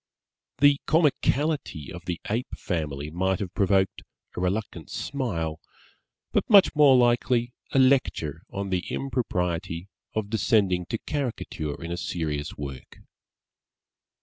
The comicality of the Ape family might have provoked a reluctant smile, but much more likely a lecture on the impropriety of descending to caricature in a serious work.